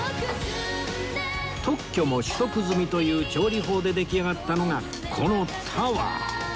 特許も取得済みという調理法で出来上がったのがこのタワー